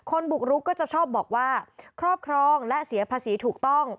บุกรุกก็จะชอบบอกว่าครอบครองและเสียภาษีถูกต้อง